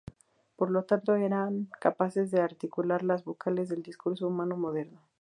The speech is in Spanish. Por lo tanto eran capaces de articular las vocales del discurso humano moderno.